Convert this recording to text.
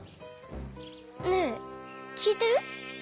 ねえきいてる？